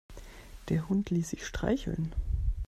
Der Hund ließ sich streicheln.